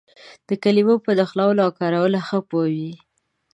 د کلمو په نښلولو او کارولو ښه پوه وي.